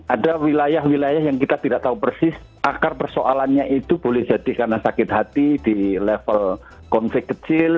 ada wilayah wilayah yang kita tidak tahu persis akar persoalannya itu boleh jadi karena sakit hati di level konflik kecil